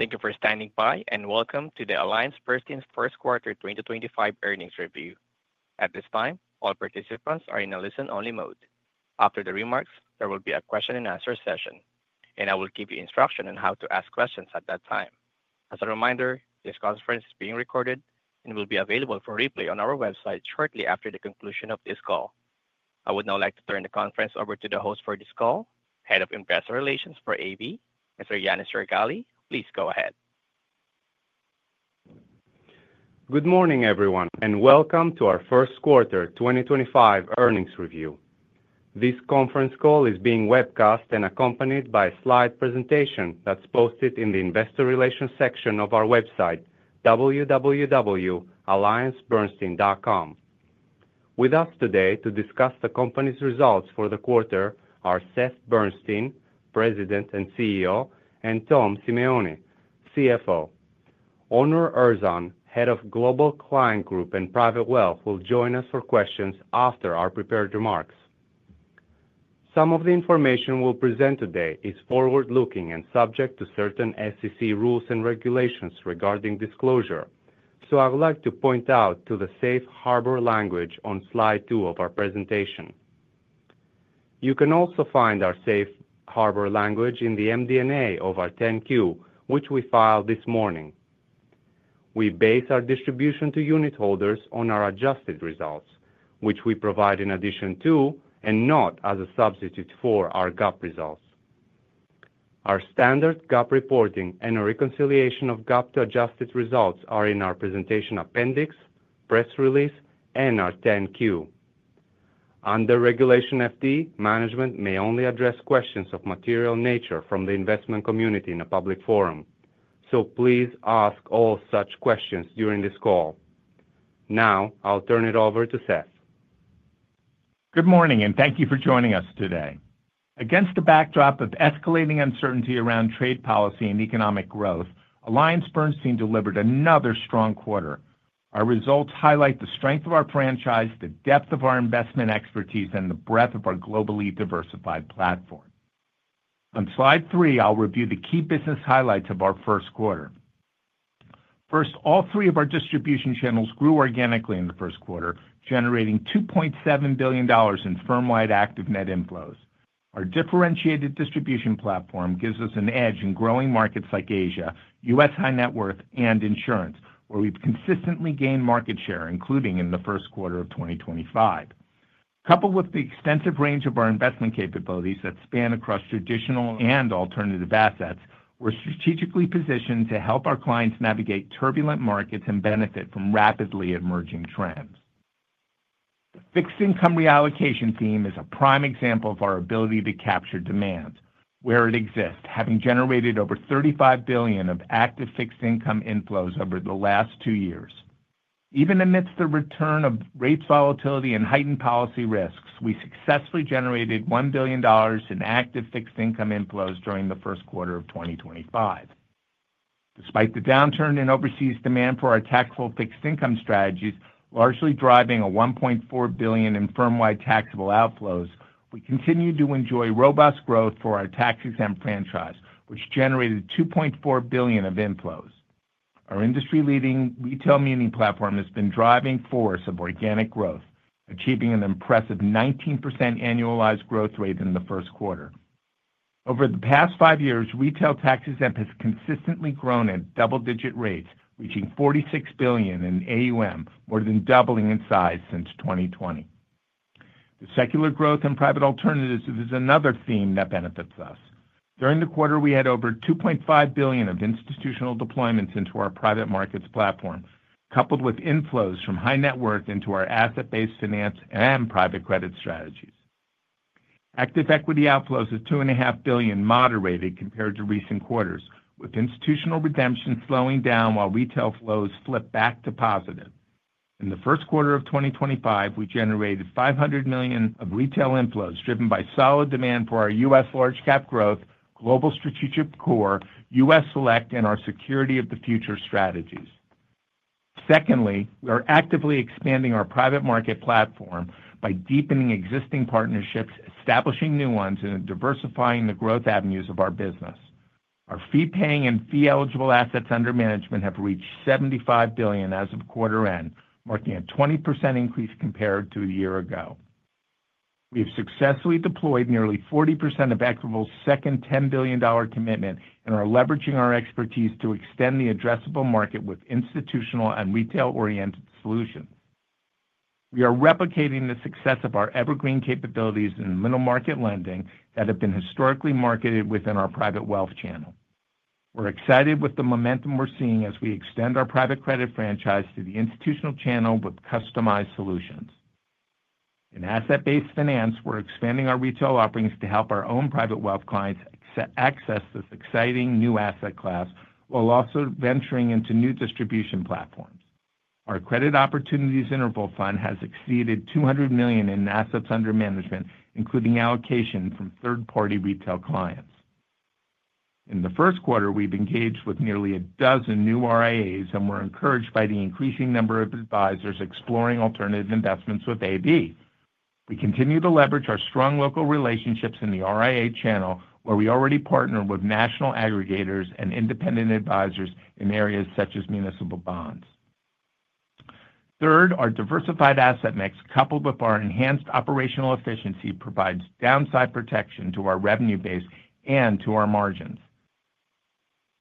Thank you for standing by and welcome to AllianceBernstein's First Quarter 2025 earnings review. At this time, all participants are in a listen-only mode. After the remarks, there will be a question-and-answer session, and I will give you instruction on how to ask questions at that time. As a reminder, this conference is being recorded and will be available for replay on our website shortly after the conclusion of this call. I would now like to turn the conference over to the host for this call, Head of Investor Relations for AB, Mr. Ioanis Jorgali. Please go ahead. Good morning, everyone, and welcome to our first quarter 2025 earnings review. This conference call is being webcast and accompanied by a slide presentation that's posted in the investor relations section of our website, www.alliancebernstein.com. With us today to discuss the company's results for the quarter are Seth Bernstein, President and CEO, and Tom Simeone, CFO. Onur Erzan, Head of Global Client Group and Private Wealth, will join us for questions after our prepared remarks. Some of the information we'll present today is forward-looking and subject to certain SEC rules and regulations regarding disclosure, so I would like to point out the safe harbor language on slide two of our presentation. You can also find our safe harbor language in the MD&A of our 10-Q, which we filed this morning. We base our distribution to unit holders on our adjusted results, which we provide in addition to and not as a substitute for our GAAP results. Our standard GAAP reporting and a reconciliation of GAAP to adjusted results are in our presentation appendix, press release, and our 10-Q. Under Regulation FD, management may only address questions of material nature from the investment community in a public forum, so please ask all such questions during this call. Now, I'll turn it over to Seth. Good morning, and thank you for joining us today. Against the backdrop of escalating uncertainty around trade policy and economic growth, AllianceBernstein delivered another strong quarter. Our results highlight the strength of our franchise, the depth of our investment expertise, and the breadth of our globally diversified platform. On slide three, I'll review the key business highlights of our first quarter. First, all three of our distribution channels grew organically in the first quarter, generating $2.7 billion in firm-wide active net inflows. Our differentiated distribution platform gives us an edge in growing markets like Asia, U.S. high net worth, and insurance, where we've consistently gained market share, including in the first quarter of 2025. Coupled with the extensive range of our investment capabilities that span across traditional and alternative assets, we're strategically positioned to help our clients navigate turbulent markets and benefit from rapidly emerging trends. The fixed income reallocation theme is a prime example of our ability to capture demand where it exists, having generated over 35 billion of active fixed income inflows over the last two years. Even amidst the return of rates volatility and heightened policy risks, we successfully generated $1 billion in active fixed income inflows during the first quarter of 2025. Despite the downturn in overseas demand for our taxable fixed income strategies, largely driving a 1.4 billion in firm-wide taxable outflows, we continue to enjoy robust growth for our tax-exempt franchise, which generated 2.4 billion of inflows. Our industry-leading retail muni platform has been driving force of organic growth, achieving an impressive 19% annualized growth rate in the first quarter. Over the past five years, retail tax-exempt has consistently grown at double-digit rates, reaching 46 billion in AUM, more than doubling in size since 2020. The secular growth and private alternatives is another theme that benefits us. During the quarter, we had over 2.5 billion of institutional deployments into our private markets platform, coupled with inflows from high net worth into our asset-based finance and private credit strategies. Active equity outflows of 2.5 billion moderated compared to recent quarters, with institutional redemption slowing down while retail flows flip back to positive. In the first quarter of 2025, we generated 500 million of retail inflows driven by solid demand for our U.S. large-cap growth, global strategic core, U.S. Select, and our security of the future strategies. Secondly, we are actively expanding our private market platform by deepening existing partnerships, establishing new ones, and diversifying the growth avenues of our business. Our fee-paying and fee-eligible assets under management have reached 75 billion as of quarter end, marking a 20% increase compared to a year ago. We have successfully deployed nearly 40% of ActivOL's second $10 billion commitment and are leveraging our expertise to extend the addressable market with institutional and retail-oriented solutions. We are replicating the success of our evergreen capabilities in middle market lending that have been historically marketed within our private wealth channel. We're excited with the momentum we're seeing as we extend our private credit franchise to the institutional channel with customized solutions. In asset-based finance, we're expanding our retail offerings to help our own private wealth clients access this exciting new asset class while also venturing into new distribution platforms. Our Credit Opportunities Interval Fund has exceeded 200 million in assets under management, including allocation from third-party retail clients. In the first quarter, we've engaged with nearly a dozen new RIAs, and we're encouraged by the increasing number of advisors exploring alternative investments with AB. We continue to leverage our strong local relationships in the RIA channel, where we already partner with national aggregators and independent advisors in areas such as municipal bonds. Third, our diversified asset mix, coupled with our enhanced operational efficiency, provides downside protection to our revenue base and to our margins.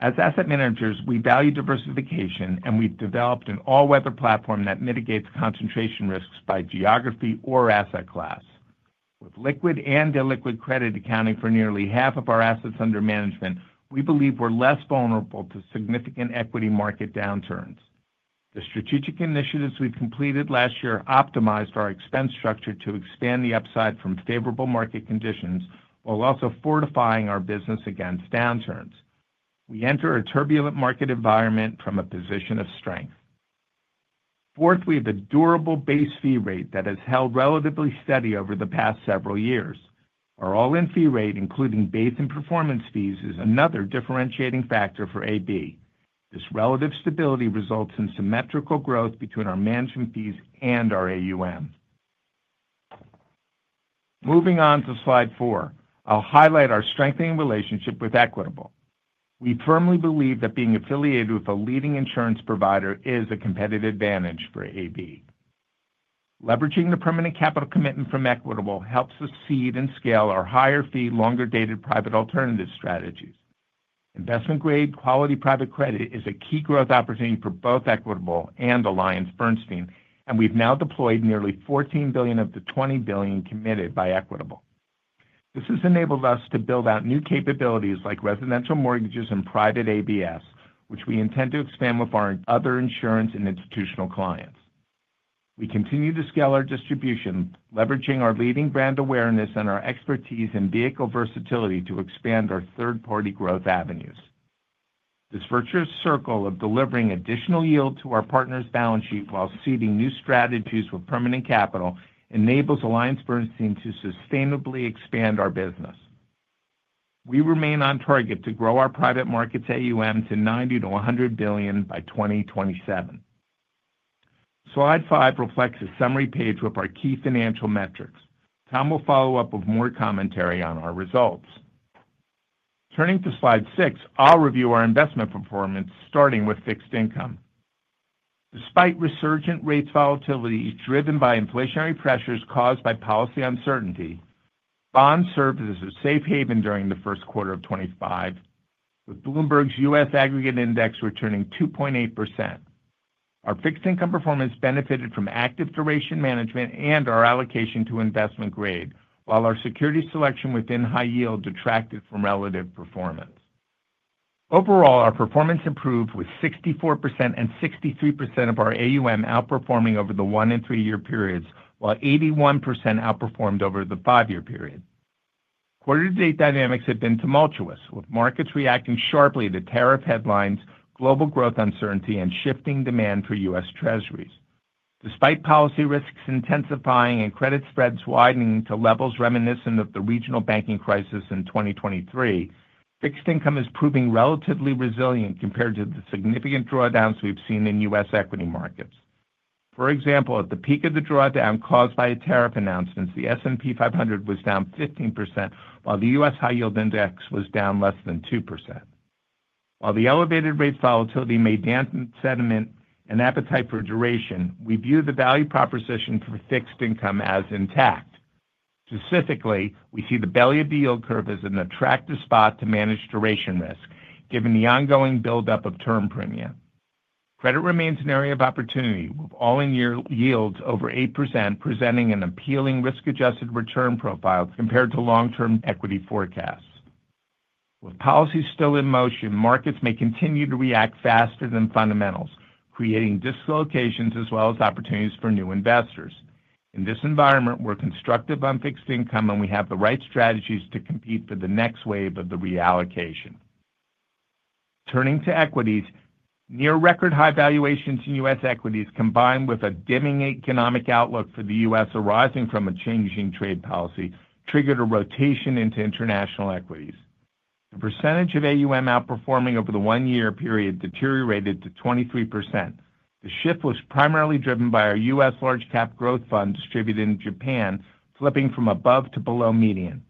As asset managers, we value diversification, and we've developed an all-weather platform that mitigates concentration risks by geography or asset class. With liquid and illiquid credit accounting for nearly half of our assets under management, we believe we're less vulnerable to significant equity market downturns. The strategic initiatives we've completed last year optimized our expense structure to expand the upside from favorable market conditions while also fortifying our business against downturns. We enter a turbulent market environment from a position of strength. Fourth, we have a durable base fee rate that has held relatively steady over the past several years. Our all-in fee rate, including base and performance fees, is another differentiating factor for AB. This relative stability results in symmetrical growth between our management fees and our AUM. Moving on to slide four, I'll highlight our strengthening relationship with Equitable. We firmly believe that being affiliated with a leading insurance provider is a competitive advantage for AB. Leveraging the permanent capital commitment from Equitable helps us seed and scale our higher-fee, longer-dated private alternative strategies. Investment-grade quality private credit is a key growth opportunity for both Equitable and AllianceBernstein, and we've now deployed nearly 14 billion of the 20 billion committed by Equitable. This has enabled us to build out new capabilities like residential mortgages and private ABS, which we intend to expand with our other insurance and institutional clients. We continue to scale our distribution, leveraging our leading brand awareness and our expertise in vehicle versatility to expand our third-party growth avenues. This virtuous circle of delivering additional yield to our partners' balance sheet while seeding new strategies with permanent capital enables AllianceBernstein to sustainably expand our business. We remain on target to grow our private markets AUM to 90 billion-100 billion by 2027. Slide five reflects a summary page with our key financial metrics. Tom will follow up with more commentary on our results. Turning to slide six, I'll review our investment performance, starting with fixed income. Despite resurgent rates volatility driven by inflationary pressures caused by policy uncertainty, bonds served as a safe haven during the first quarter of 2025, with Bloomberg's U.S. Aggregate Index returning 2.8%. Our fixed income performance benefited from active duration management and our allocation to investment grade, while our security selection within high yield detracted from relative performance. Overall, our performance improved with 64% and 63% of our AUM outperforming over the one and three-year periods, while 81% outperformed over the five-year period. Quarter-to-date dynamics have been tumultuous, with markets reacting sharply to tariff headlines, global growth uncertainty, and shifting demand for U.S. Treasuries. Despite policy risks intensifying and credit spreads widening to levels reminiscent of the regional banking crisis in 2023, fixed income is proving relatively resilient compared to the significant drawdowns we've seen in U.S. equity markets. For example, at the peak of the drawdown caused by tariff announcements, the S&P 500 was down 15%, while the U.S. High Yield Index was down less than two percent. While the elevated rate volatility may dampen sentiment and appetite for duration, we view the value proposition for fixed income as intact. Specifically, we see the belly of the yield curve as an attractive spot to manage duration risk, given the ongoing buildup of term premium. Credit remains an area of opportunity, with all-in yields over 8% presenting an appealing risk-adjusted return profile compared to long-term equity forecasts. With policies still in motion, markets may continue to react faster than fundamentals, creating dislocations as well as opportunities for new investors. In this environment, we're constructive on fixed income, and we have the right strategies to compete for the next wave of the reallocation. Turning to equities, near-record high valuations in U.S. equities, combined with a diming economic outlook for the U.S. arising from a changing trade policy, triggered a rotation into international equities. The percentage of AUM outperforming over the one-year period deteriorated to 23%. The shift was primarily driven by our U.S. large-cap growth fund distributed in Japan, flipping from above to below median.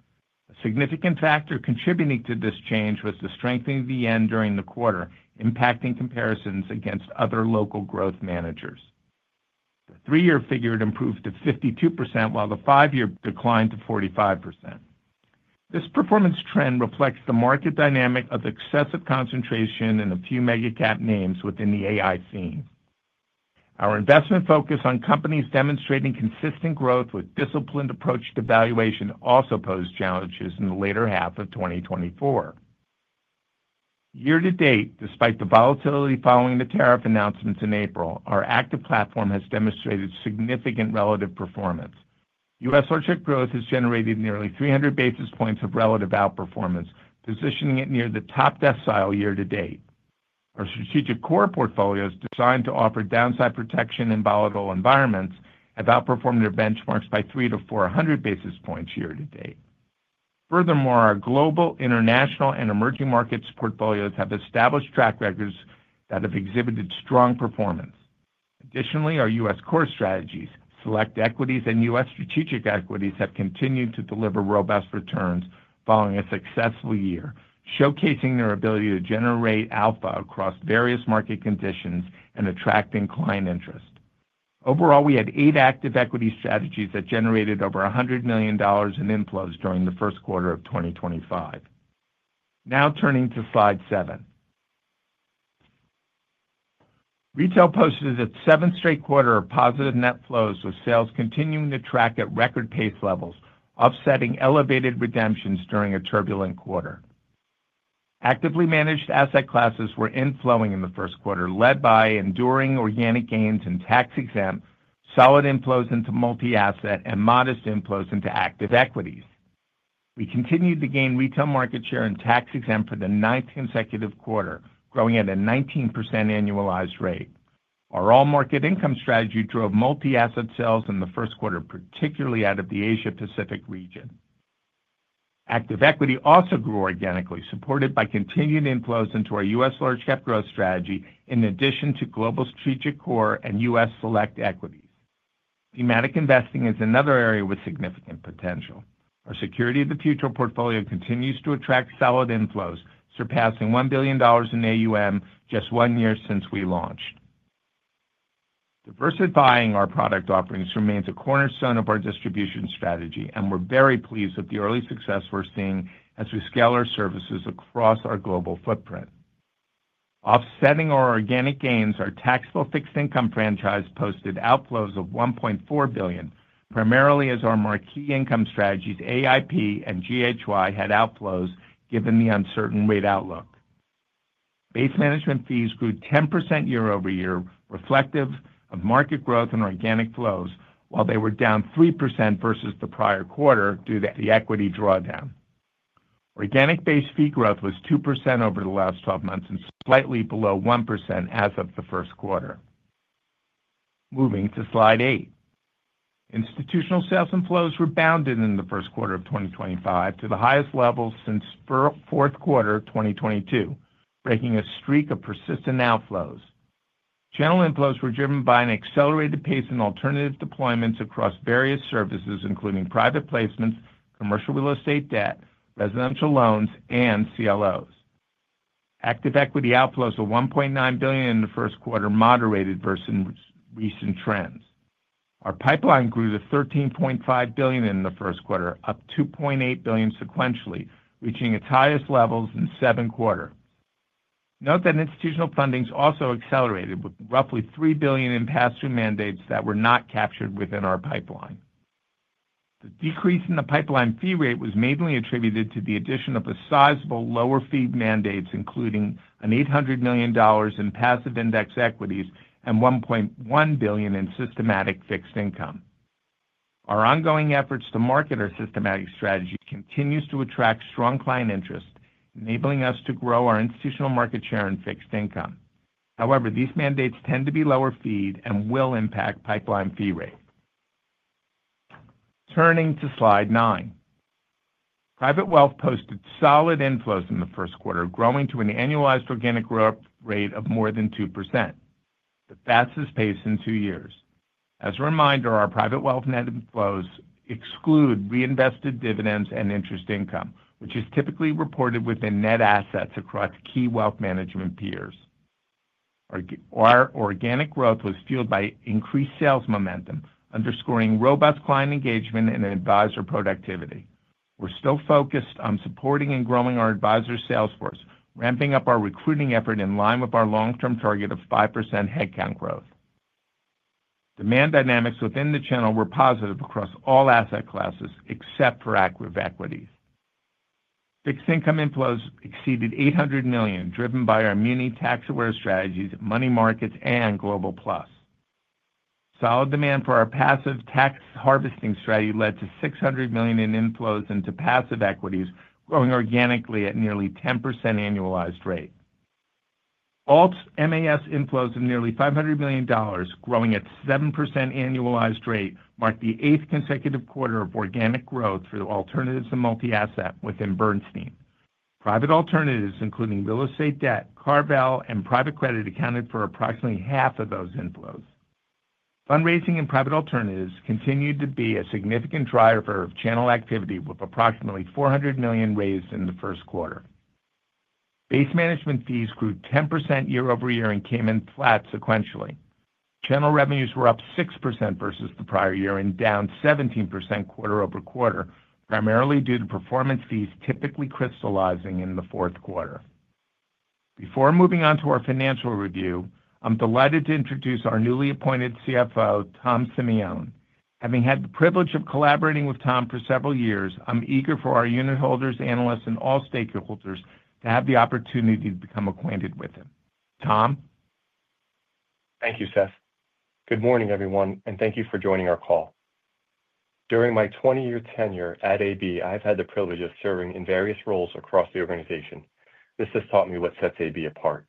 A significant factor contributing to this change was the strengthening of the yen during the quarter, impacting comparisons against other local growth managers. The three-year figure improved to 52%, while the five-year declined to 45%. This performance trend reflects the market dynamic of excessive concentration in a few mega-cap names within the AI scene. Our investment focus on companies demonstrating consistent growth with disciplined approach to valuation also posed challenges in the later half of 2024. Year to date, despite the volatility following the tariff announcements in April, our active platform has demonstrated significant relative performance. U.S. large-cap growth has generated nearly 300 basis points of relative outperformance, positioning it near the top decile year to date. Our strategic core portfolios, designed to offer downside protection in volatile environments, have outperformed their benchmarks by 300-400 basis points year to date. Furthermore, our global, international, and emerging markets portfolios have established track records that have exhibited strong performance. Additionally, our U.S. core strategies, Select Equities and U.S. Strategic Equities, have continued to deliver robust returns following a successful year, showcasing their ability to generate alpha across various market conditions and attracting client interest. Overall, we had eight active equity strategies that generated over $100 million in inflows during the first quarter of 2025. Now turning to slide seven, retail posted its seventh straight quarter of positive net flows, with sales continuing to track at record-paced levels, offsetting elevated redemptions during a turbulent quarter. Actively managed asset classes were inflowing in the first quarter, led by enduring organic gains and tax-exempt solid inflows into multi-asset and modest inflows into active equities. We continued to gain retail market share in tax-exempt for the ninth consecutive quarter, growing at a 19% annualized rate. Our all-market income strategy drove multi-asset sales in the first quarter, particularly out of the Asia-Pacific region. Active equity also grew organically, supported by continued inflows into our U.S. large-cap growth strategy, in addition to Global Strategic Core and U.S. Select Equities. Thematic investing is another area with significant potential. Our Security of the Future portfolio continues to attract solid inflows, surpassing $1 billion in AUM just one year since we launched. Diversifying our product offerings remains a cornerstone of our distribution strategy, and we're very pleased with the early success we're seeing as we scale our services across our global footprint. Offsetting our organic gains, our taxable fixed income franchise posted outflows of $1.4 billion, primarily as our marquee income strategies, AIP and GHY, had outflows given the uncertain rate outlook. Base management fees grew 10% year over year, reflective of market growth and organic flows, while they were down 3% versus the prior quarter due to the equity drawdown. Organic base fee growth was 2% over the last 12 months and slightly below 1% as of the first quarter. Moving to slide eight, institutional sales inflows rebounded in the first quarter of 2025 to the highest level since fourth quarter of 2022, breaking a streak of persistent outflows. General inflows were driven by an accelerated pace in alternative deployments across various services, including private placements, commercial real estate debt, residential loans, and CLOs. Active equity outflows of 1.9 billion in the first quarter moderated versus recent trends. Our pipeline grew to 13.5 billion in the first quarter, up 2.8 billion sequentially, reaching its highest levels in the seventh quarter. Note that institutional funding also accelerated with roughly 3 billion in pass-through mandates that were not captured within our pipeline. The decrease in the pipeline fee rate was mainly attributed to the addition of the sizable lower fee mandates, including $800 million in passive index equities and 1.1 billion in systematic fixed income. Our ongoing efforts to market our systematic strategy continue to attract strong client interest, enabling us to grow our institutional market share in fixed income. However, these mandates tend to be lower fee and will impact pipeline fee rate. Turning to slide nine, private wealth posted solid inflows in the first quarter, growing to an annualized organic growth rate of more than 2%, the fastest pace in two years. As a reminder, our private wealth net inflows exclude reinvested dividends and interest income, which is typically reported within net assets across key wealth management peers. Our organic growth was fueled by increased sales momentum, underscoring robust client engagement and advisor productivity. We're still focused on supporting and growing our advisor sales force, ramping up our recruiting effort in line with our long-term target of 5% headcount growth. Demand dynamics within the channel were positive across all asset classes except for active equities. Fixed income inflows exceeded 800 million, driven by our immunity tax-aware strategies, money markets, and Global Plus. Solid demand for our passive tax harvesting strategy led to 600 million in inflows into passive equities, growing organically at nearly 10% annualized rate. Alt-MAS inflows of nearly 500 million, growing at 7% annualized rate, marked the eighth consecutive quarter of organic growth for alternatives to multi-asset within Bernstein. Private alternatives, including real estate debt, Carval, and private credit, accounted for approximately half of those inflows. Fundraising and private alternatives continued to be a significant driver of channel activity, with approximately 400 million raised in the first quarter. Base management fees grew 10% year over year and came in flat sequentially. Channel revenues were up 6% versus the prior year and down 17% quarter over quarter, primarily due to performance fees typically crystallizing in the fourth quarter. Before moving on to our financial review, I'm delighted to introduce our newly appointed CFO, Tom Simeone. Having had the privilege of collaborating with Tom for several years, I'm eager for our unitholders, analysts, and all stakeholders to have the opportunity to become acquainted with him. Tom? Thank you, Seth. Good morning, everyone, and thank you for joining our call. During my 20-year tenure at AB, I've had the privilege of serving in various roles across the organization. This has taught me what sets AB apart.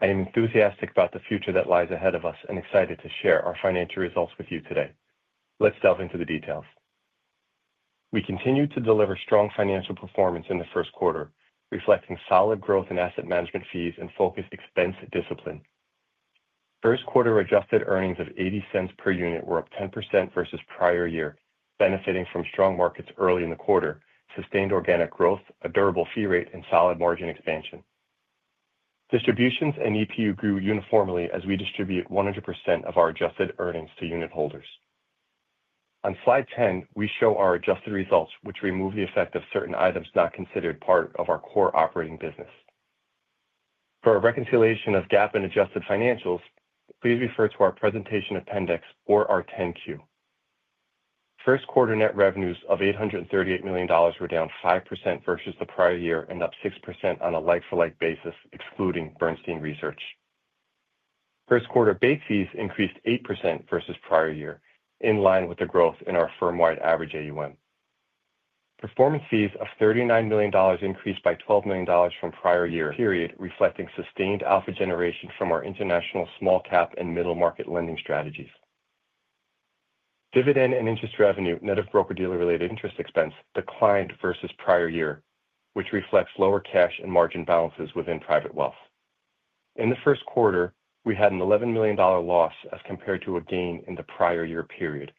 I am enthusiastic about the future that lies ahead of us and excited to share our financial results with you today. Let's delve into the details. We continue to deliver strong financial performance in the first quarter, reflecting solid growth in asset management fees and focused expense discipline. First quarter adjusted earnings of $0.80 per unit were up 10% versus prior year, benefiting from strong markets early in the quarter, sustained organic growth, a durable fee rate, and solid margin expansion. Distributions and EPU grew uniformly as we distribute 100% of our adjusted earnings to unit holders. On slide 10, we show our adjusted results, which remove the effect of certain items not considered part of our core operating business. For a reconciliation of GAAP and adjusted financials, please refer to our presentation appendix or our 10-Q. First quarter net revenues of $838 million were down 5% versus the prior year and up 6% on a like-for-like basis, excluding Bernstein Research. First quarter base fees increased 8% versus prior year, in line with the growth in our firm-wide average AUM. Performance fees of $39 million increased by $12 million from prior year, reflecting sustained alpha generation from our international small-cap and middle-market lending strategies. Dividend and interest revenue, net of broker-dealer-related interest expense, declined versus prior year, which reflects lower cash and margin balances within private wealth. In the first quarter, we had an $11 million loss as compared to a gain in the prior year period,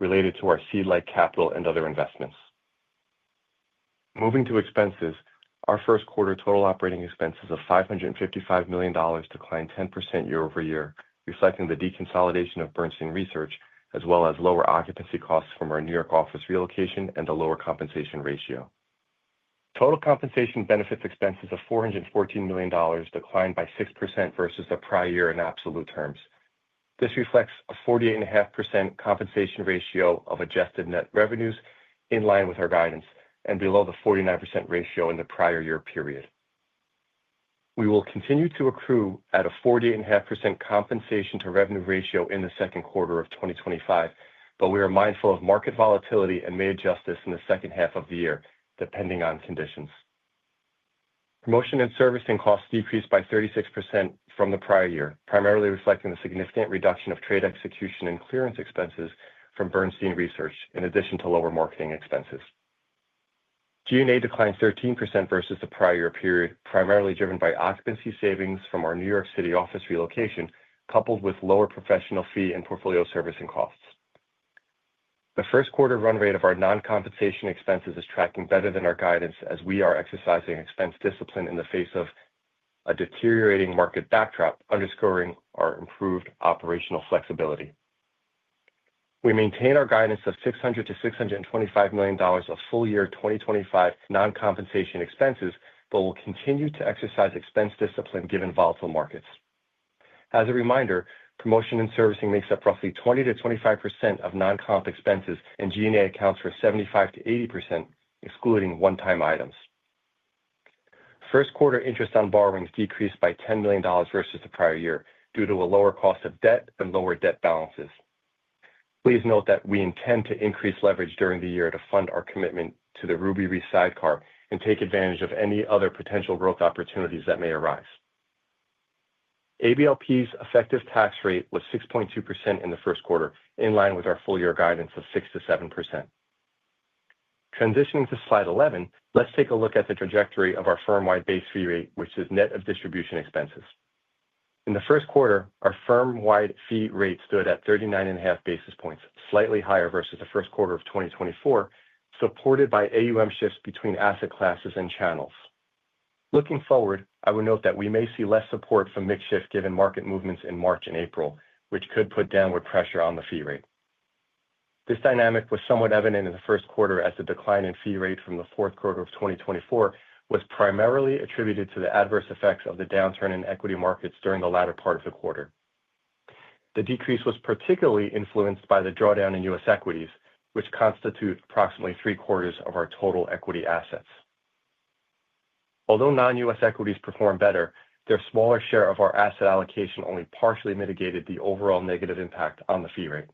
related to our seed-like capital and other investments. Moving to expenses, our first quarter total operating expenses of $555 million declined 10% year over year, reflecting the deconsolidation of Bernstein Research, as well as lower occupancy costs from our New York office relocation and a lower compensation ratio. Total compensation benefits expenses of $414 million declined by 6% versus the prior year in absolute terms. This reflects a 48.5% compensation ratio of adjusted net revenues, in line with our guidance, and below the 49% ratio in the prior year period. We will continue to accrue at a 48.5% compensation-to-revenue ratio in the second quarter of 2025, but we are mindful of market volatility and may adjust this in the second half of the year, depending on conditions. Promotion and servicing costs decreased by 36% from the prior year, primarily reflecting the significant reduction of trade execution and clearance expenses from Bernstein Research, in addition to lower marketing expenses. G&A declined 13% versus the prior year period, primarily driven by occupancy savings from our New York City office relocation, coupled with lower professional fee and portfolio servicing costs. The first quarter run rate of our non-compensation expenses is tracking better than our guidance, as we are exercising expense discipline in the face of a deteriorating market backdrop, underscoring our improved operational flexibility. We maintain our guidance of $600-$625 million of full year 2025 non-compensation expenses, but will continue to exercise expense discipline given volatile markets. As a reminder, promotion and servicing makes up roughly 20%-25% of non-comp expenses, and G&A accounts for 75%-80%, excluding one-time items. First quarter interest on borrowings decreased by $10 million versus the prior year, due to a lower cost of debt and lower debt balances. Please note that we intend to increase leverage during the year to fund our commitment to the Ruby Re Sidecar and take advantage of any other potential growth opportunities that may arise. ABLP's effective tax rate was 6.2% in the first quarter, in line with our full year guidance of 6%-7%. Transitioning to slide 11, let's take a look at the trajectory of our firm-wide base fee rate, which is net of distribution expenses. In the first quarter, our firm-wide fee rate stood at 39.5 basis points, slightly higher versus the first quarter of 2024, supported by AUM shifts between asset classes and channels. Looking forward, I would note that we may see less support for mix shift given market movements in March and April, which could put downward pressure on the fee rate. This dynamic was somewhat evident in the first quarter, as the decline in fee rate from the fourth quarter of 2024 was primarily attributed to the adverse effects of the downturn in equity markets during the latter part of the quarter. The decrease was particularly influenced by the drawdown in U.S. equities, which constitute approximately three-quarters of our total equity assets. Although non-U.S. equities performed better, their smaller share of our asset allocation only partially mitigated the overall negative impact on the fee rate.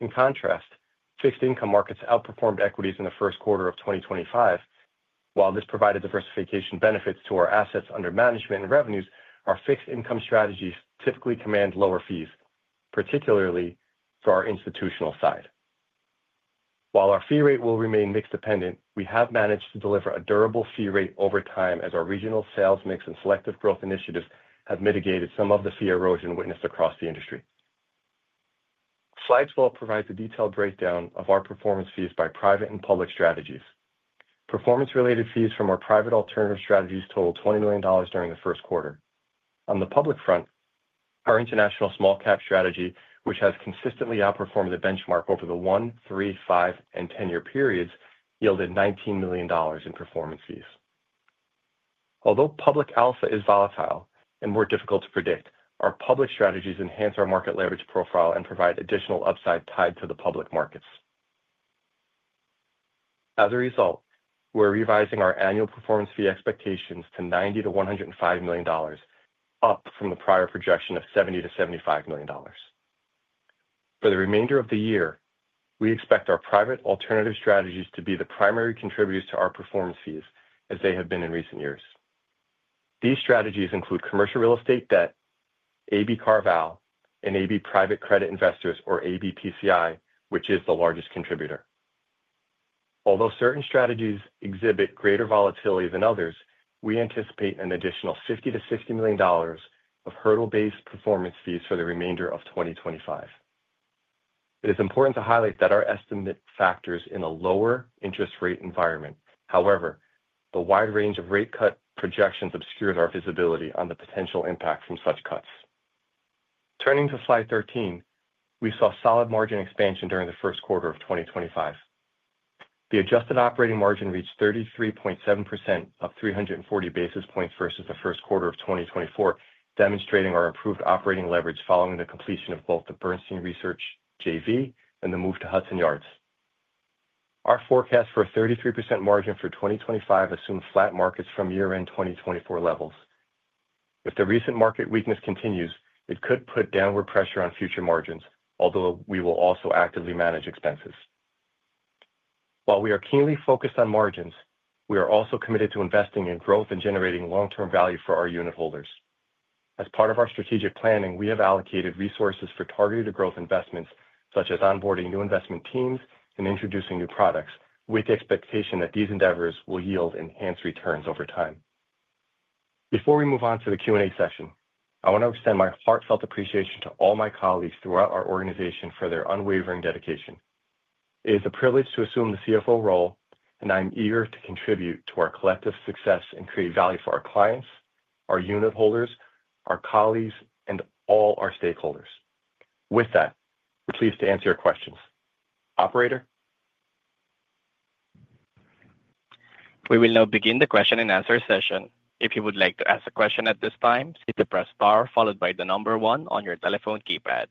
In contrast, fixed income markets outperformed equities in the first quarter of 2025. While this provided diversification benefits to our assets under management and revenues, our fixed income strategies typically command lower fees, particularly for our institutional side. While our fee rate will remain mixed-dependent, we have managed to deliver a durable fee rate over time, as our regional sales mix and selective growth initiatives have mitigated some of the fee erosion witnessed across the industry. Slides will provide the detailed breakdown of our performance fees by private and public strategies. Performance-related fees from our private alternative strategies totaled 20 million during the first quarter. On the public front, our international small-cap strategy, which has consistently outperformed the benchmark over the one, three, five, and ten-year periods, yielded $19 million in performance fees. Although public alpha is volatile and more difficult to predict, our public strategies enhance our market leverage profile and provide additional upside tied to the public markets. As a result, we're revising our annual performance fee expectations to $90-$105 million, up from the prior projection of $70-$75 million. For the remainder of the year, we expect our private alternative strategies to be the primary contributors to our performance fees, as they have been in recent years. These strategies include commercial real estate debt, AB Carval, and AB Private Credit Investors, or ABPCI, which is the largest contributor. Although certain strategies exhibit greater volatility than others, we anticipate an additional $50-$60 million of hurdle-based performance fees for the remainder of 2025. It is important to highlight that our estimate factors in a lower interest rate environment. However, the wide range of rate cut projections obscures our visibility on the potential impact from such cuts. Turning to slide 13, we saw solid margin expansion during the first quarter of 2025. The adjusted operating margin reached 33.7%, up 340 basis points versus the first quarter of 2024, demonstrating our improved operating leverage following the completion of both the Bernstein Research JV and the move to Hudson Yards. Our forecast for a 33% margin for 2025 assumed flat markets from year-end 2024 levels. If the recent market weakness continues, it could put downward pressure on future margins, although we will also actively manage expenses. While we are keenly focused on margins, we are also committed to investing in growth and generating long-term value for our unit holders. As part of our strategic planning, we have allocated resources for targeted growth investments, such as onboarding new investment teams and introducing new products, with the expectation that these endeavors will yield enhanced returns over time. Before we move on to the Q&A session, I want to extend my heartfelt appreciation to all my colleagues throughout our organization for their unwavering dedication. It is a privilege to assume the CFO role, and I am eager to contribute to our collective success and create value for our clients, our unit holders, our colleagues, and all our stakeholders. With that, we're pleased to answer your questions. Operator? We will now begin the question-and-answer session. If you would like to ask a question at this time, hit the press bar followed by the number one on your telephone keypad.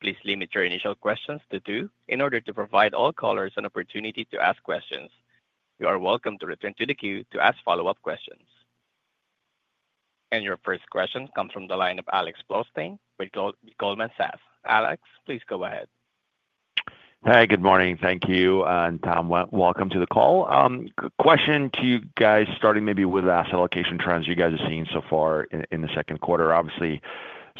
Please limit your initial questions to two in order to provide all callers an opportunity to ask questions. You are welcome to return to the queue to ask follow-up questions. Your first question comes from the line of Alex Blostein with Goldman Sachs. Alex, please go ahead. Hi, good morning. Thank you, and Tom, welcome to the call. Question to you guys, starting maybe with asset allocation trends you guys are seeing so far in the second quarter. Obviously,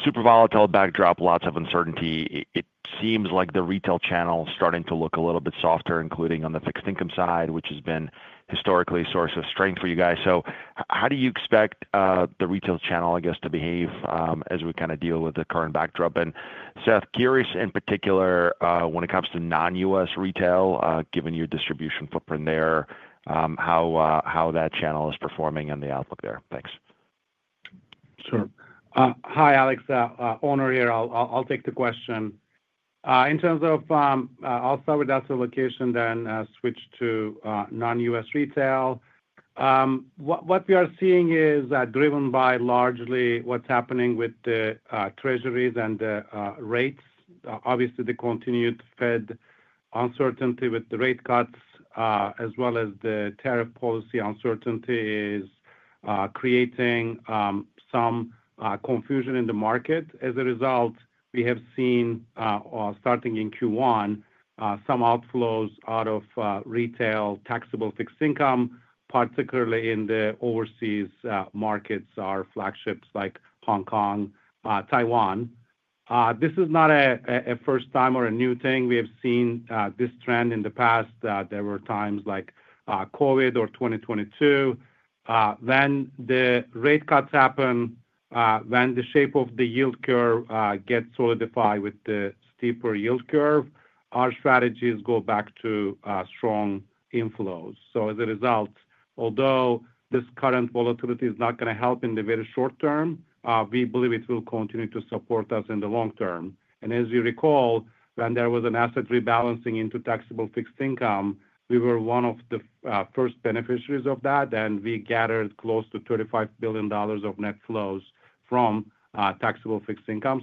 super volatile backdrop, lots of uncertainty. It seems like the retail channel is starting to look a little bit softer, including on the fixed income side, which has been historically a source of strength for you guys. How do you expect the retail channel, I guess, to behave as we kind of deal with the current backdrop? Seth, curious in particular when it comes to non-U.S. retail, given your distribution footprint there, how that channel is performing and the outlook there. Thanks. Sure. Hi, Alex, Onur here. I'll take the question. In terms of, I'll start with asset allocation, then switch to non-U.S. retail. What we are seeing is driven by largely what's happening with the treasuries and the rates. Obviously, the continued Fed uncertainty with the rate cuts, as well as the tariff policy uncertainty, is creating some confusion in the market. As a result, we have seen, starting in Q1, some outflows out of retail taxable fixed income, particularly in the overseas markets, our flagships like Hong Kong, Taiwan. This is not a first time or a new thing. We have seen this trend in the past. There were times like COVID or 2022. When the rate cuts happen, when the shape of the yield curve gets solidified with the steeper yield curve, our strategies go back to strong inflows. As a result, although this current volatility is not going to help in the very short term, we believe it will continue to support us in the long term. As you recall, when there was an asset rebalancing into taxable fixed income, we were one of the first beneficiaries of that, and we gathered close to $35 billion of net flows from taxable fixed income.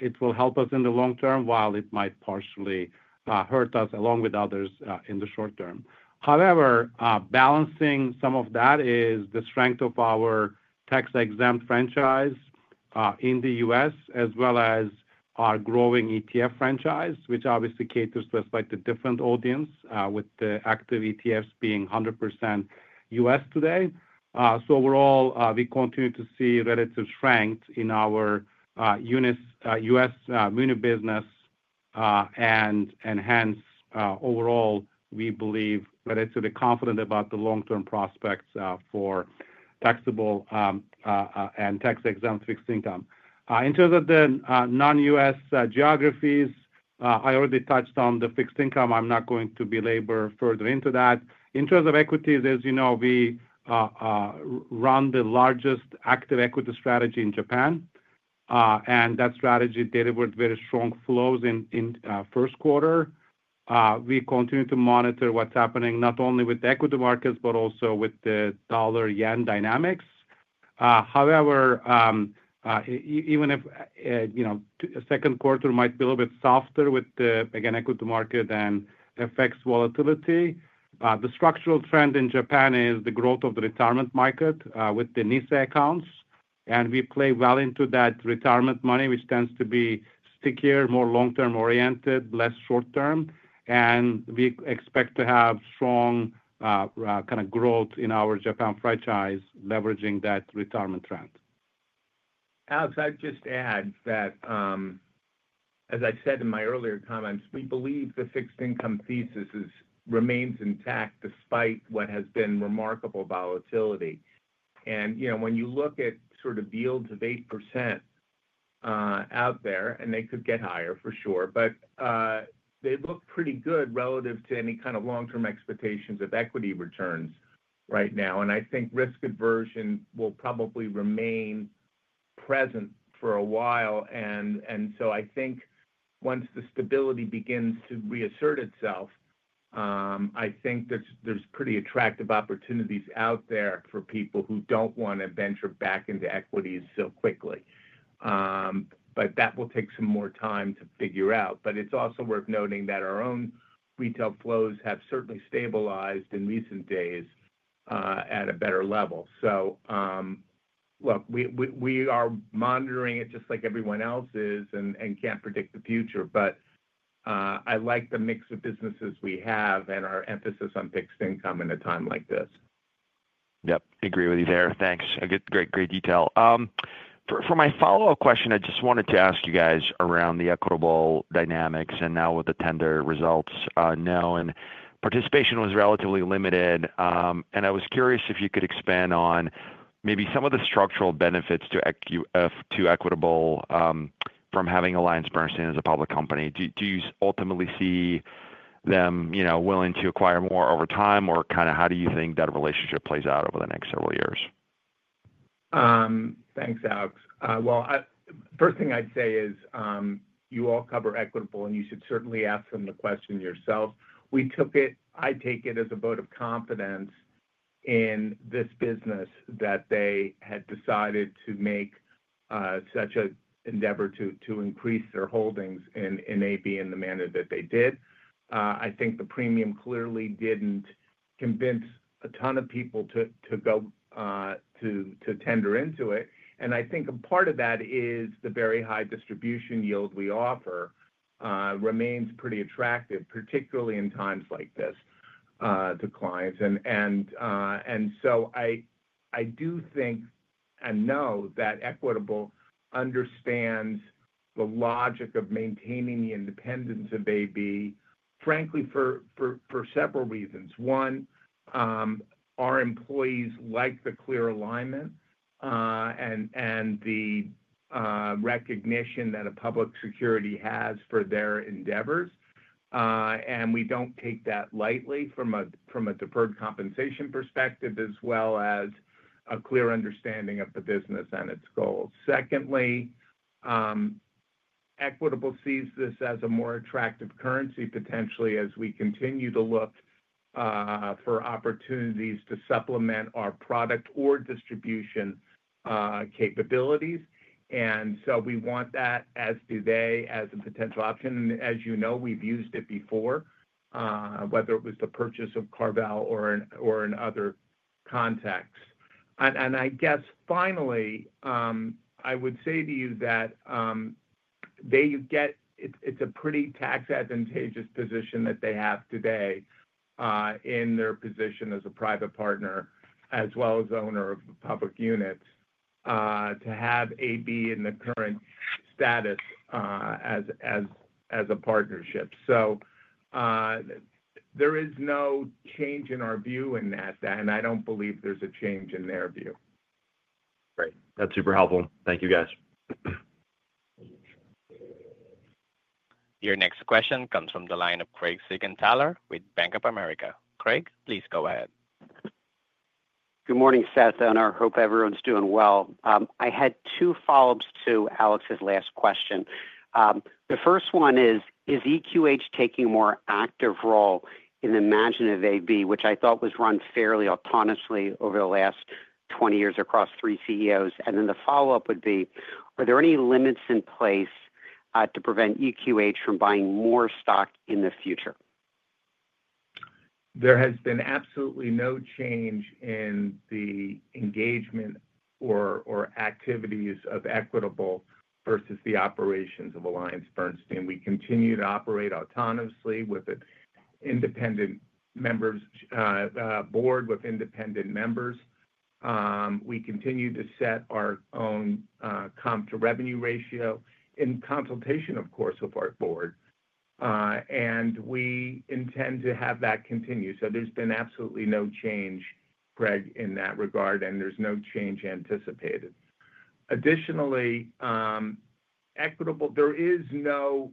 It will help us in the long term, while it might partially hurt us, along with others, in the short term. However, balancing some of that is the strength of our tax-exempt franchise in the U.S., as well as our growing ETF franchise, which obviously caters to a slightly different audience, with the active ETFs being 100% U.S. today. Overall, we continue to see relative strength in our U.S. muni business, and hence, overall, we believe relatively confident about the long-term prospects for taxable and tax-exempt fixed income. In terms of the non-U.S. geographies, I already touched on the fixed income. I am not going to belabor further into that. In terms of equities, as you know, we run the largest active equity strategy in Japan, and that strategy delivered very strong flows in first quarter. We continue to monitor what's happening, not only with the equity markets, but also with the dollar/yen dynamics. However, even if the second quarter might be a little bit softer with the, again, equity market and effects volatility, the structural trend in Japan is the growth of the retirement market with the NISA accounts, and we play well into that retirement money, which tends to be stickier, more long-term oriented, less short-term, and we expect to have strong kind of growth in our Japan franchise, leveraging that retirement trend. Alex, I'd just add that, as I said in my earlier comments, we believe the fixed income thesis remains intact despite what has been remarkable volatility. When you look at sort of yields of 8% out there, and they could get higher, for sure, but they look pretty good relative to any kind of long-term expectations of equity returns right now. I think risk aversion will probably remain present for a while. I think once the stability begins to reassert itself, there are pretty attractive opportunities out there for people who do not want to venture back into equities so quickly. That will take some more time to figure out. It is also worth noting that our own retail flows have certainly stabilized in recent days at a better level. Look, we are monitoring it just like everyone else is and cannot predict the future, but I like the mix of businesses we have and our emphasis on fixed income in a time like this. Yep. Agree with you there. Thanks. Great, great detail. For my follow-up question, I just wanted to ask you guys around the Equitable dynamics and now with the tender results now. Participation was relatively limited, and I was curious if you could expand on maybe some of the structural benefits to Equitable from having AllianceBernstein as a public company. Do you ultimately see them willing to acquire more over time, or kind of how do you think that relationship plays out over the next several years? Thanks, Alex. The first thing I'd say is you all cover Equitable, and you should certainly ask them the question yourself. I take it as a vote of confidence in this business that they had decided to make such an endeavor to increase their holdings in AB in the manner that they did. I think the premium clearly did not convince a ton of people to go to tender into it. I think a part of that is the very high distribution yield we offer remains pretty attractive, particularly in times like this, to clients. I do think and know that Equitable understands the logic of maintaining the independence of AB, frankly, for several reasons. One, our employees like the clear alignment and the recognition that a public security has for their endeavors. We do not take that lightly from a deferred compensation perspective, as well as a clear understanding of the business and its goals. Secondly, Equitable sees this as a more attractive currency, potentially, as we continue to look for opportunities to supplement our product or distribution capabilities. We want that, as do they, as a potential option. As you know, we've used it before, whether it was the purchase of CarVal or in other contexts. Finally, I would say to you that it's a pretty tax-advantageous position that they have today in their position as a private partner, as well as owner of public units, to have AB in the current status as a partnership. There is no change in our view in that, and I don't believe there's a change in their view. Great. That's super helpful. Thank you, guys. Your next question comes from the line of Craig Siegenthaler with Bank of America. Craig, please go ahead. Good morning, Seth, and I hope everyone's doing well. I had two follow-ups to Alex's last question. The first one is, is EQH taking a more active role in the management of AB, which I thought was run fairly autonomously over the last 20 years across three CEOs? The follow-up would be, are there any limits in place to prevent EQH from buying more stock in the future? There has been absolutely no change in the engagement or activities of Equitable versus the operations of AllianceBernstein. We continue to operate autonomously with independent members, board with independent members. We continue to set our own comp to revenue ratio in consultation, of course, with our board. We intend to have that continue. There has been absolutely no change, Craig, in that regard, and there is no change anticipated. Additionally, Equitable, there is no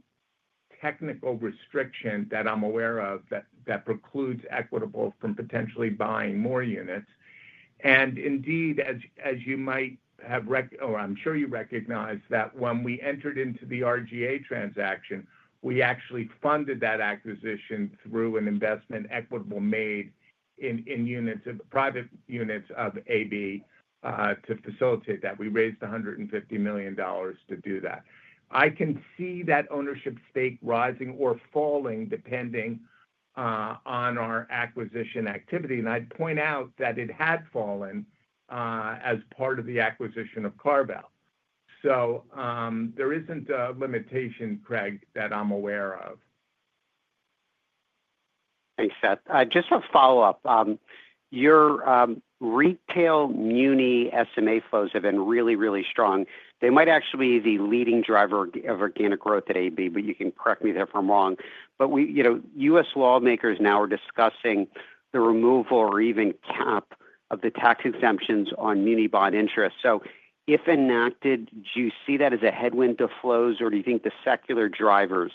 technical restriction that I'm aware of that precludes Equitable from potentially buying more units. Indeed, as you might have or I'm sure you recognize that when we entered into the RGA transaction, we actually funded that acquisition through an investment Equitable made in units, private units of AB, to facilitate that. We raised $150 million to do that. I can see that ownership stake rising or falling depending on our acquisition activity. I would point out that it had fallen as part of the acquisition of Carval. There is not a limitation, Craig, that I'm aware of. Thanks, Seth. Just a follow-up. Your retail muni SMA flows have been really, really strong. They might actually be the leading driver of organic growth at AB, but you can correct me there if I'm wrong. U.S. lawmakers now are discussing the removal or even cap of the tax exemptions on muni bond interest. If enacted, do you see that as a headwind to flows, or do you think the secular drivers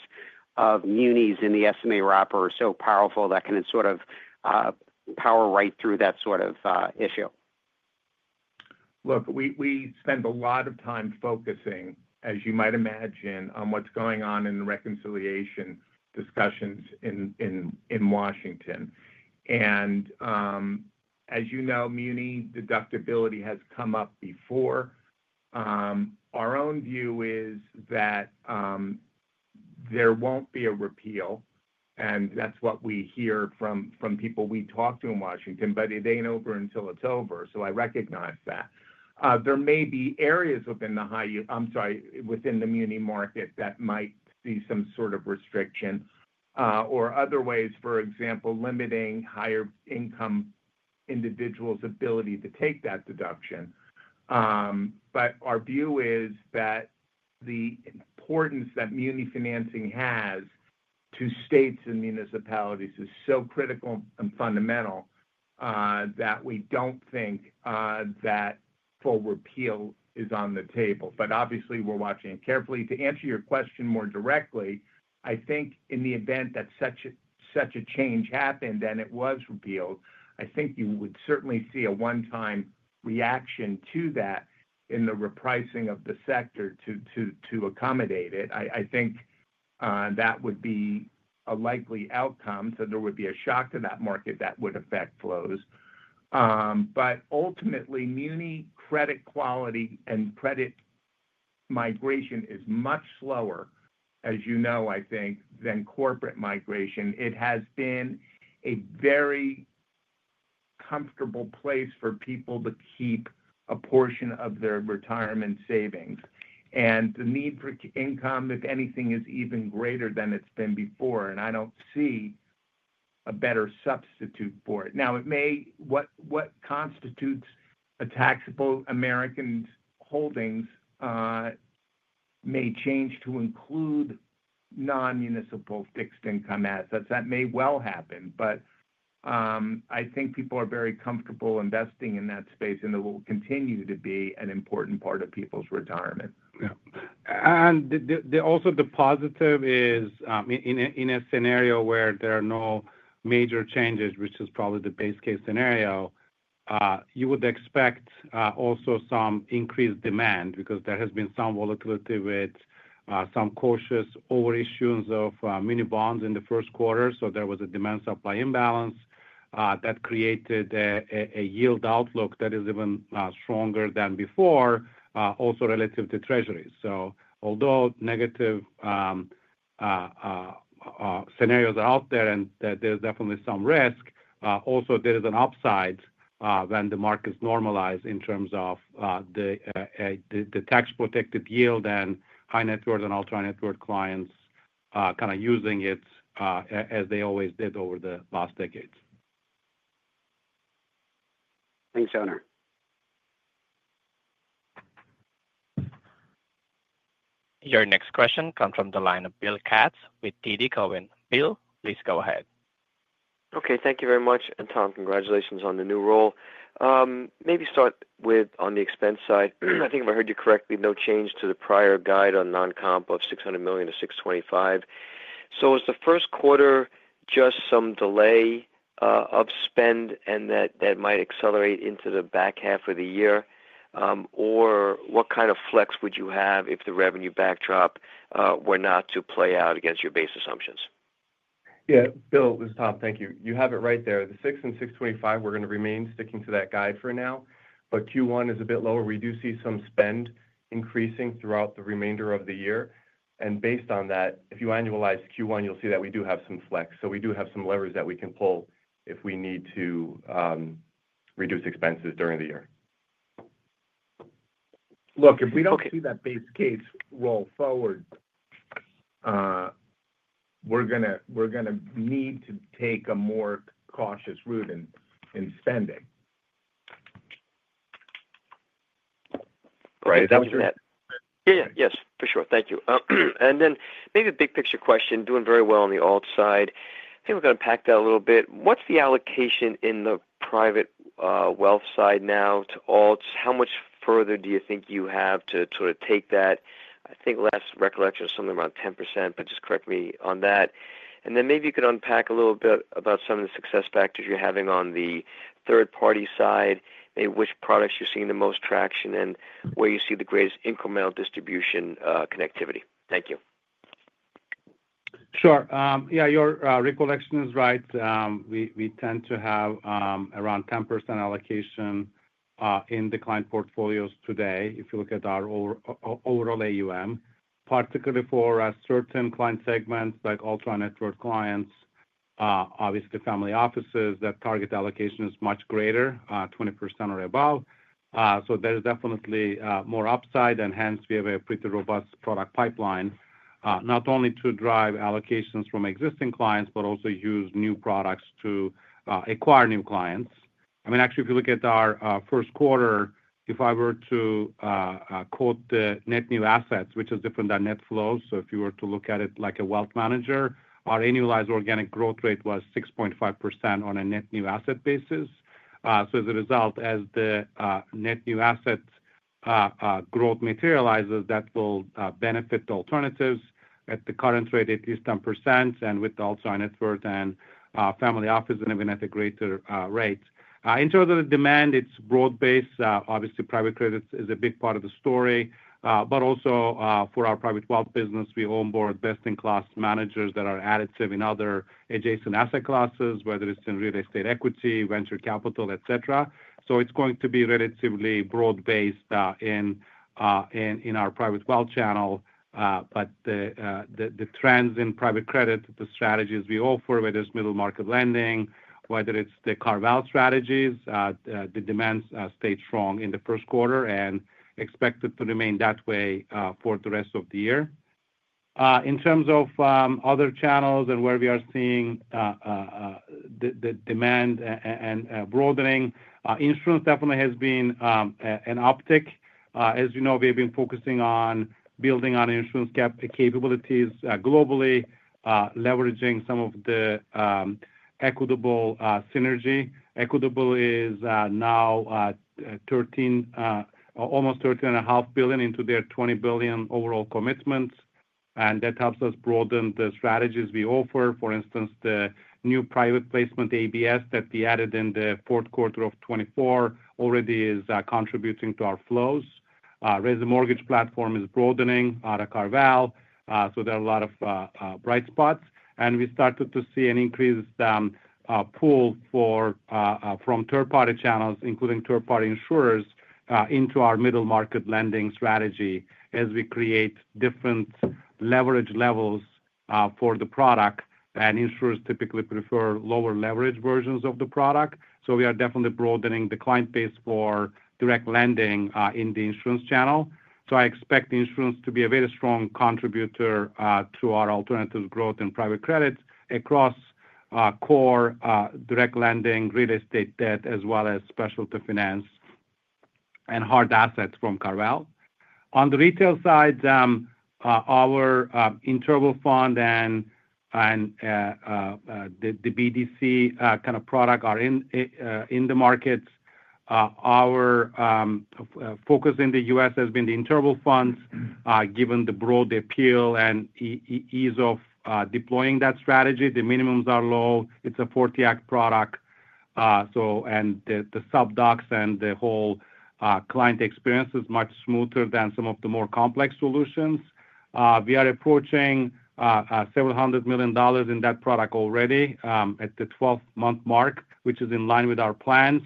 of munis in the SMA wrapper are so powerful that can sort of power right through that sort of issue? Look, we spend a lot of time focusing, as you might imagine, on what's going on in the reconciliation discussions in Washington. As you know, muni deductibility has come up before. Our own view is that there won't be a repeal, and that's what we hear from people we talk to in Washington, but it ain't over until it's over. I recognize that. There may be areas within the muni market that might see some sort of restriction or other ways, for example, limiting higher-income individuals' ability to take that deduction. Our view is that the importance that muni financing has to states and municipalities is so critical and fundamental that we do not think that full repeal is on the table. Obviously, we are watching it carefully. To answer your question more directly, I think in the event that such a change happened and it was repealed, you would certainly see a one-time reaction to that in the repricing of the sector to accommodate it. I think that would be a likely outcome. There would be a shock to that market that would affect flows. Ultimately, muni credit quality and credit migration is much slower, as you know, than corporate migration. It has been a very comfortable place for people to keep a portion of their retirement savings. The need for income, if anything, is even greater than it's been before, and I don't see a better substitute for it. Now, what constitutes a taxable American's holdings may change to include non-municipal fixed income assets. That may well happen, but I think people are very comfortable investing in that space, and it will continue to be an important part of people's retirement. Yeah. Also, the positive is, in a scenario where there are no major changes, which is probably the base case scenario, you would expect also some increased demand because there has been some volatility with some cautious overissuance of muni bonds in the first quarter. There was a demand-supply imbalance that created a yield outlook that is even stronger than before, also relative to treasuries. Although negative scenarios are out there and there's definitely some risk, also there is an upside when the markets normalize in terms of the tax-protected yield and high-net-worth and ultra-net-worth clients kind of using it as they always did over the last decades. Thanks, Owen. Your next question comes from the line of Bill Katz with TD Cowen. Bill, please go ahead. Thank you very much, and Tom, congratulations on the new role. Maybe start with on the expense side. I think if I heard you correctly, no change to the prior guide on non-comp of 600 million-625 million. Was the first quarter just some delay of spend, and that might accelerate into the back half of the year? What kind of flex would you have if the revenue backdrop were not to play out against your base assumptions? Yeah. Bill, this is Tom. Thank you. You have it right there. The 6 and 625, we're going to remain sticking to that guide for now. Q1 is a bit lower. We do see some spend increasing throughout the remainder of the year. Based on that, if you annualize Q1, you'll see that we do have some flex. We do have some levers that we can pull if we need to reduce expenses during the year. Look, if we do not see that base case roll forward, we're going to need to take a more cautious route in spending. Right. That was your bet. Yeah, yeah. Yes, for sure. Thank you. Maybe a big picture question. Doing very well on the alt side. I think we're going to pack that a little bit. What's the allocation in the private wealth side now to alts? How much further do you think you have to sort of take that? I think last recollection was something around 10%, but just correct me on that. Maybe you could unpack a little bit about some of the success factors you're having on the third-party side, maybe which products you're seeing the most traction, and where you see the greatest incremental distribution connectivity. Thank you. Sure. Yeah, your recollection is right. We tend to have around 10% allocation in the client portfolios today if you look at our overall AUM, particularly for certain client segments like ultra-net-worth clients, obviously family offices, that target allocation is much greater, 20% or above. There's definitely more upside, and hence we have a pretty robust product pipeline, not only to drive allocations from existing clients, but also use new products to acquire new clients. I mean, actually, if you look at our first quarter, if I were to quote the net new assets, which is different than net flows, if you were to look at it like a wealth manager, our annualized organic growth rate was 6.5% on a net new asset basis. As a result, as the net new asset growth materializes, that will benefit alternatives at the current rate at least 10%, and with the ultra-net-worth and family offices, even at a greater rate. In terms of the demand, it's broad-based. Obviously, private credit is a big part of the story. Also, for our private wealth business, we onboard best-in-class managers that are additive in other adjacent asset classes, whether it's in real estate equity, venture capital, etc. It's going to be relatively broad-based in our private wealth channel. The trends in private credit, the strategies we offer, whether it's middle market lending, whether it's the CarVal strategies, the demand stayed strong in the first quarter and expected to remain that way for the rest of the year. In terms of other channels and where we are seeing the demand and broadening, insurance definitely has been an uptick. As you know, we have been focusing on building on insurance capabilities globally, leveraging some of the Equitable synergy. Equitable is now almost 13.5 billion into their 20 billion overall commitments. That helps us broaden the strategies we offer. For instance, the new private placement ABS that we added in the fourth quarter of 2024 already is contributing to our flows. Raise a mortgage platform is broadening out of CarVal. There are a lot of bright spots. We started to see an increased pull from third-party channels, including third-party insurers, into our middle market lending strategy as we create different leverage levels for the product. Insurers typically prefer lower leverage versions of the product. We are definitely broadening the client base for direct lending in the insurance channel. I expect insurance to be a very strong contributor to our alternative growth in private credit across core direct lending, real estate debt, as well as specialty finance and hard assets from CarVal. On the retail side, our interval fund and the BDC kind of product are in the markets. Our focus in the U.S. has been the interval funds, given the broad appeal and ease of deploying that strategy. The minimums are low. It is a 40-act product. The subducts and the whole client experience is much smoother than some of the more complex solutions. We are approaching several hundred million dollars in that product already at the 12-month mark, which is in line with our plans.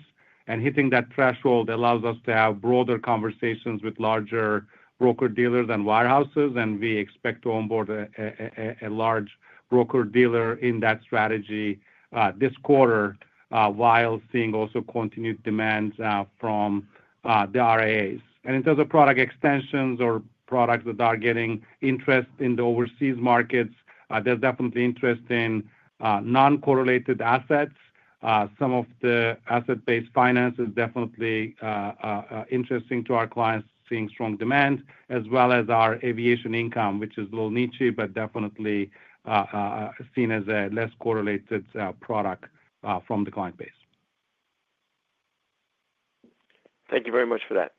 Hitting that threshold allows us to have broader conversations with larger broker dealers and wirehouses. We expect to onboard a large broker dealer in that strategy this quarter while seeing also continued demand from the RIAs. In terms of product extensions or products that are getting interest in the overseas markets, there is definitely interest in non-correlated assets. Some of the asset-based finance is definitely interesting to our clients, seeing strong demand, as well as our aviation income, which is low-niche, but definitely seen as a less correlated product from the client base. Thank you very much for that.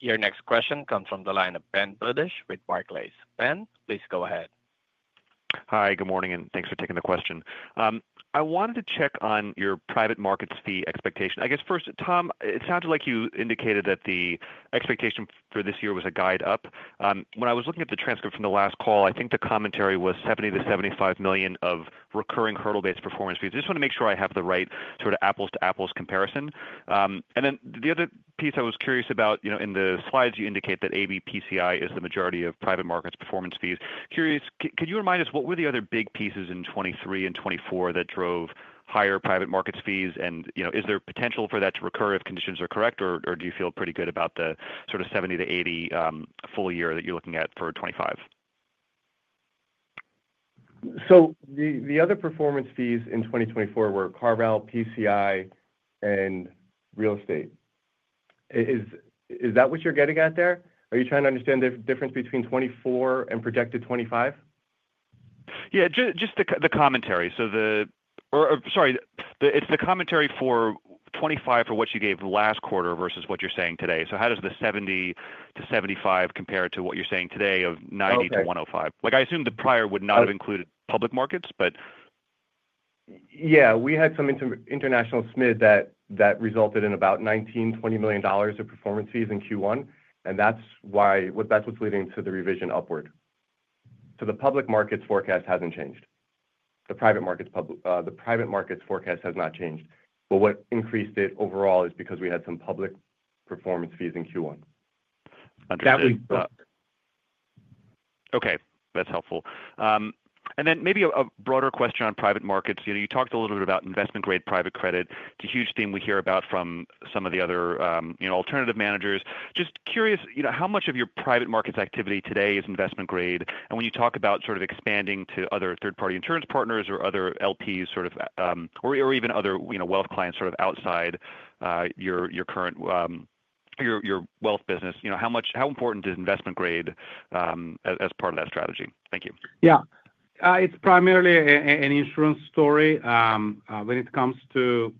Your next question comes from the line of Ben Budish with Barclays. Ben, please go ahead. Hi, good morning, and thanks for taking the question. I wanted to check on your private markets fee expectation. I guess first, Tom, it sounded like you indicated that the expectation for this year was a guide up. When I was looking at the transcript from the last call, I think the commentary was 70 million-75 million of recurring hurdle-based performance fees. I just want to make sure I have the right sort of apples-to-apples comparison. The other piece I was curious about, in the slides, you indicate that ABPCI is the majority of private markets performance fees. Curious, could you remind us what were the other big pieces in 2023 and 2024 that drove higher private markets fees? Is there potential for that to recur if conditions are correct, or do you feel pretty good about the sort of 70-80 full year that you are looking at for 2025? The other performance fees in 2024 were CarVal, PCI, and real estate. Is that what you are getting at there? Are you trying to understand the difference between 2024 and projected 2025? Yeah, just the commentary. It is the commentary for 2025 for what you gave last quarter versus what you are saying today. How does the 70 million-75 million compare to what you are saying today of 90 million-105 million? I assume the prior would not have included public markets, but. Yeah, we had some international SMID that resulted in about $19 million-$20 million of performance fees in Q1. That is what is leading to the revision upward. The public markets forecast has not changed. The private markets forecast has not changed. What increased it overall is because we had some public performance fees in Q1. That was. Okay. That's helpful. Maybe a broader question on private markets. You talked a little bit about investment-grade private credit. It's a huge thing we hear about from some of the other alternative managers. Just curious, how much of your private markets activity today is investment-grade? When you talk about sort of expanding to other third-party insurance partners or other LPs, or even other wealth clients outside your wealth business, how important is investment-grade as part of that strategy? Thank you. Yeah. It's primarily an insurance story. When it comes to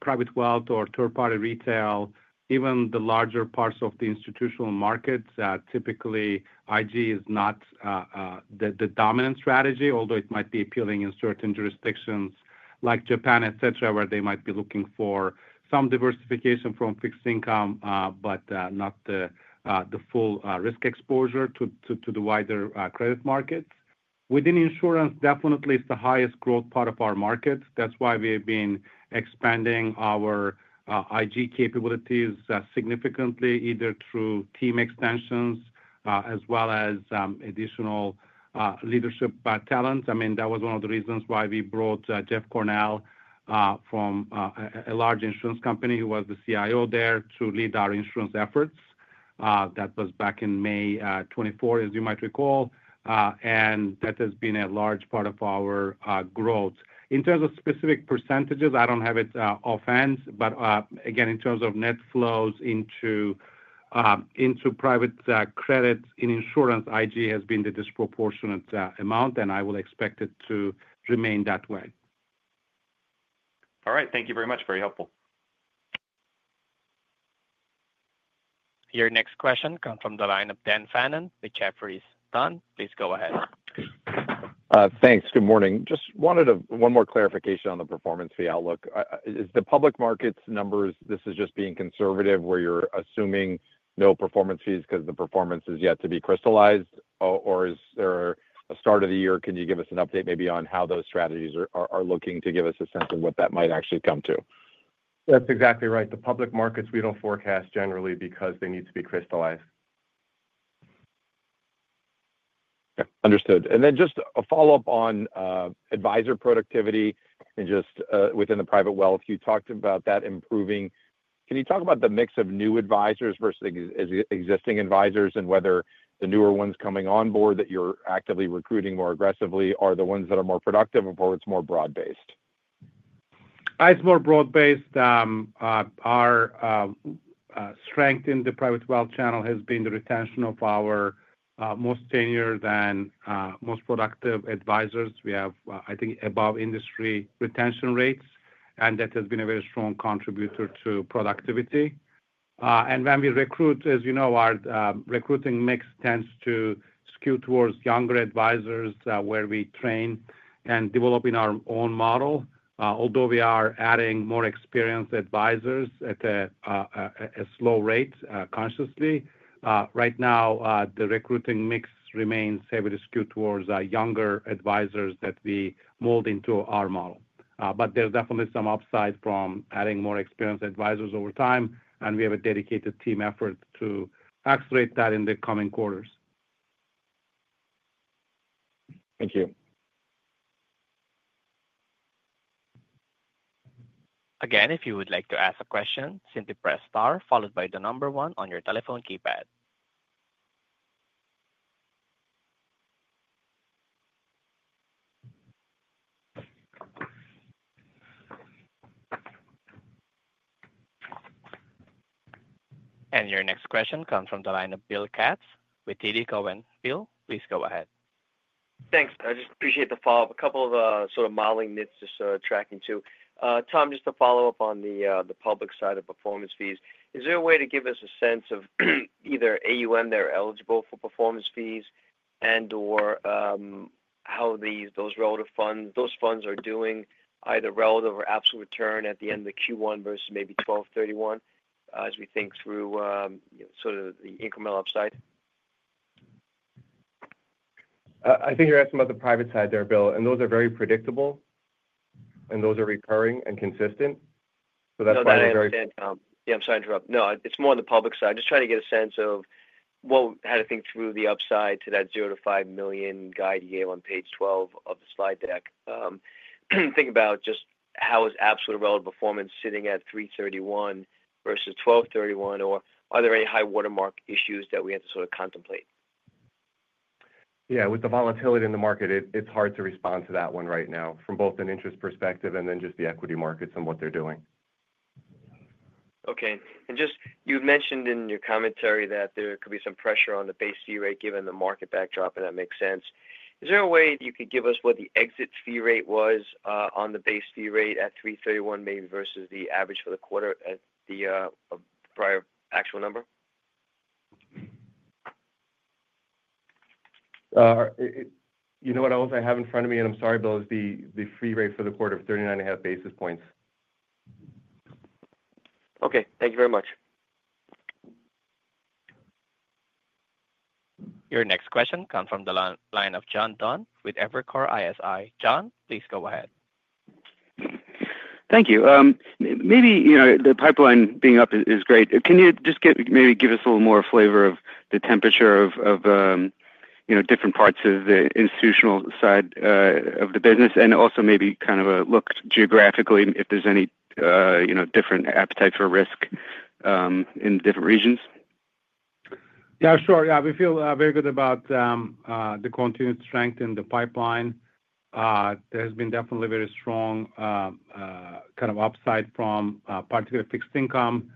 private wealth or third-party retail, even the larger parts of the institutional markets, typically IG is not the dominant strategy, although it might be appealing in certain jurisdictions like Japan, etc., where they might be looking for some diversification from fixed income, but not the full risk exposure to the wider credit markets. Within insurance, definitely it is the highest growth part of our market. That is why we have been expanding our IG capabilities significantly, either through team extensions as well as additional leadership talent. I mean, that was one of the reasons why we brought Jeff Cornell from a large insurance company who was the CIO there to lead our insurance efforts. That was back in May 2024, as you might recall. That has been a large part of our growth. In terms of specific percentages, I do not have it offhand. Again, in terms of net flows into private credit in insurance, IG has been the disproportionate amount, and I will expect it to remain that way. All right. Thank you very much. Very helpful. Your next question comes from the line of Dan Fannon. Richard is done. Please go ahead. Thanks. Good morning. Just wanted one more clarification on the performance fee outlook. Is the public markets numbers, this is just being conservative, where you're assuming no performance fees because the performance is yet to be crystallized? Or is there a start of the year? Can you give us an update maybe on how those strategies are looking to give us a sense of what that might actually come to? That's exactly right. The public markets, we don't forecast generally because they need to be crystallized. Understood. Just a follow-up on advisor productivity and just within the private wealth, you talked about that improving. Can you talk about the mix of new advisors versus existing advisors and whether the newer ones coming on board that you're actively recruiting more aggressively are the ones that are more productive or it's more broad-based? It's more broad-based. Our strength in the private wealth channel has been the retention of our most tenured and most productive advisors. We have, I think, above-industry retention rates, and that has been a very strong contributor to productivity. When we recruit, as you know, our recruiting mix tends to skew towards younger advisors where we train and develop in our own model. Although we are adding more experienced advisors at a slow rate, consciously. Right now, the recruiting mix remains heavily skewed towards younger advisors that we mold into our model. There is definitely some upside from adding more experienced advisors over time, and we have a dedicated team effort to accelerate that in the coming quarters. Thank you. Again, if you would like to ask a question, simply press star, followed by the number one on your telephone keypad. Your next question comes from the line of Bill Katz with TD Cowen. Bill, please go ahead. Thanks. I just appreciate the follow-up. A couple of sort of modeling myths just tracking too. Tom, just to follow up on the public side of performance fees, is there a way to give us a sense of either AUM that are eligible for performance fees and/or how those relative funds are doing, either relative or absolute return at the end of Q1 versus maybe December 31 as we think through the incremental upside? I think you're asking about the private side there, Bill, and those are very predictable, and those are recurring and consistent. That's why they're very. Sorry to interrupt. Yeah, I'm sorry to interrupt. No, it's more on the public side. Just trying to get a sense of how to think through the upside to that 0-5 million guide yield on page 12 of the slide deck. Think about just how is absolute relative performance sitting at 3/31 versus 12/31, or are there any high watermark issues that we have to sort of contemplate? Yeah, with the volatility in the market, it's hard to respond to that one right now from both an interest perspective and then just the equity markets and what they're doing. Okay. You mentioned in your commentary that there could be some pressure on the base fee rate given the market backdrop, and that makes sense. Is there a way you could give us what the exit fee rate was on the base fee rate at 3/31 maybe versus the average for the quarter at the prior actual number? You know what I also have in front of me, and I'm sorry, Bill, is the fee rate for the quarter of 39 and a half basis points. Okay. Thank you very much. Your next question comes from the line of John Dunn with Evercore ISI. John, please go ahead. Thank you. Maybe the pipeline being up is great. Can you just maybe give us a little more flavor of the temperature of different parts of the institutional side of the business and also maybe kind of a look geographically if there's any different appetite for risk in different regions? Yeah, sure. Yeah, we feel very good about the continued strength in the pipeline. There has been definitely very strong kind of upside from particular fixed income.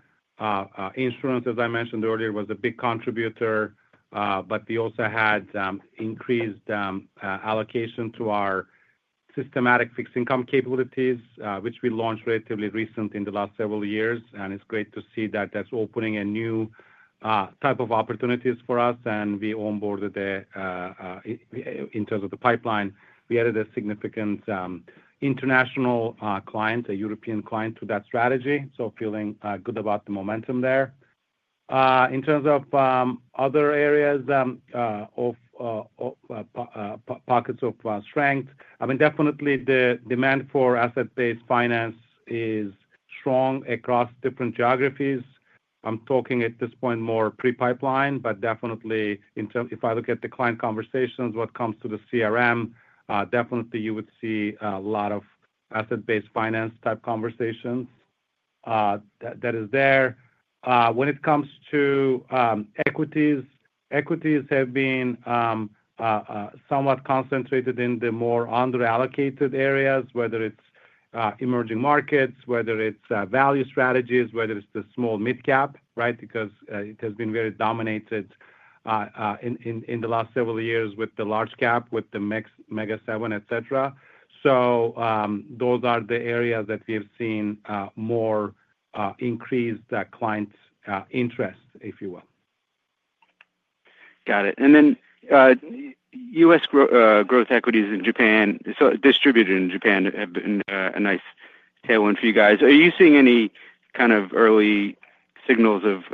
Insurance, as I mentioned earlier, was a big contributor, but we also had increased allocation to our systematic fixed income capabilities, which we launched relatively recently in the last several years. It is great to see that that is opening a new type of opportunities for us. We onboarded in terms of the pipeline, we added a significant international client, a European client to that strategy. Feeling good about the momentum there. In terms of other areas of pockets of strength, I mean, definitely the demand for asset-based finance is strong across different geographies. I'm talking at this point more pre-pipeline, but definitely if I look at the client conversations, what comes to the CRM, definitely you would see a lot of asset-based finance type conversations that is there. When it comes to equities, equities have been somewhat concentrated in the more underallocated areas, whether it's emerging markets, whether it's value strategies, whether it's the small mid-cap, right? Because it has been very dominated in the last several years with the large cap, with the Mega 7, etc. Those are the areas that we have seen more increased client interest, if you will. Got it. US growth equities in Japan, so distributed in Japan, have been a nice tailwind for you guys. Are you seeing any kind of early signals of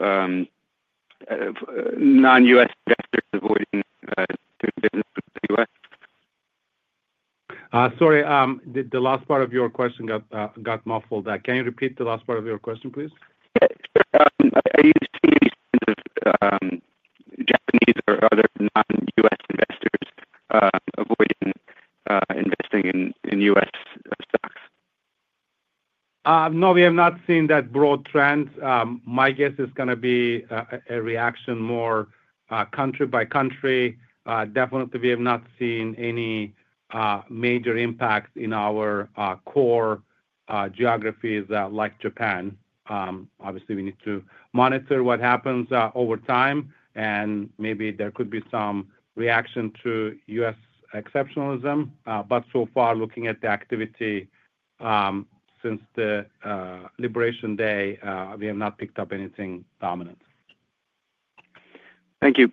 non-U.S. investors avoiding doing business with the U.S.? Sorry, the last part of your question got muffled. Can you repeat the last part of your question, please? Are you seeing any signs of Japanese or other non-U.S. investors avoiding investing in U.S. stocks? No, we have not seen that broad trend. My guess is going to be a reaction more country by country. Definitely, we have not seen any major impact in our core geographies like Japan. Obviously, we need to monitor what happens over time, and maybe there could be some reaction to U.S. exceptionalism. So far, looking at the activity since the liberation day, we have not picked up anything dominant. Thank you.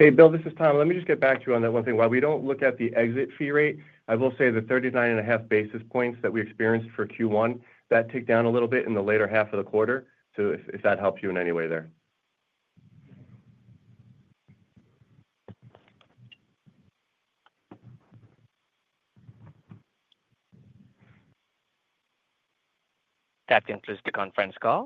Hey, Bill, this is Tom. Let me just get back to you on that one thing. While we do not look at the exit fee rate, I will say the 39 and a half basis points that we experienced for Q1, that ticked down a little bit in the later half of the quarter. If that helps you in any way there. That concludes the conference call.